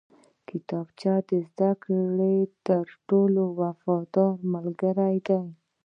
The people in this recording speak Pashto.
کتابچه د زده کړې تر ټولو وفاداره ملګرې ده